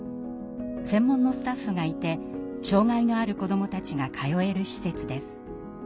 専門のスタッフがいて障害のある子どもたちが通える施設です。